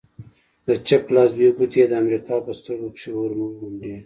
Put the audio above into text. د چپ لاس دوې گوتې يې د امريکايي په سترگو کښې ورومنډې.